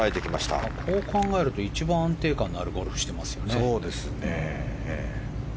こう考えると一番、安定感のあるゴルフをしてますね。